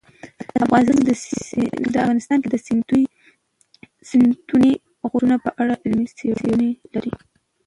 افغانستان د ستوني غرونه په اړه علمي څېړنې لري.